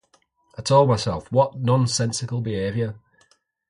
I told myself - 'what nonsensical behavior'.